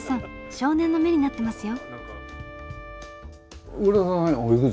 少年の目になってますよ。